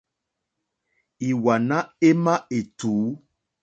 Ìwàná émá ètǔ.